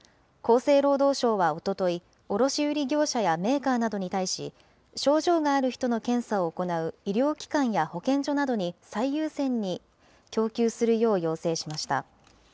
厚生労働省はおととい、卸売り業者やメーカーなどに対し、症状がある人の検査を行う医療機関や保健所などに最優先に供給するよう要請しました。